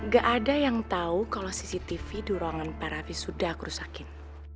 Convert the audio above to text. gak ada yang tahu kalau cctv di ruangan pak raffi sudah krusakin